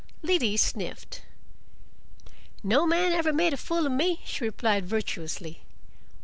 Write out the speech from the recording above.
Liddy sniffed. "No man ever made a fool of me," she replied virtuously.